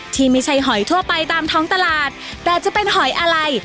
ที่ไม่ใช่หอยทั่วไปตามท้องตลาดแต่จะเป็นหอยอะไร